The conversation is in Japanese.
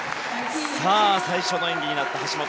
さあ、最初の演技になった橋本。